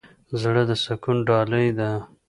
زړه د سکون ډالۍ ده.